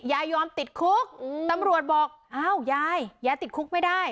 ยอมติดคุกตำรวจบอกอ้าวยายยายติดคุกไม่ได้